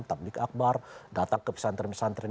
tablik akbar datang ke pesantren pesantren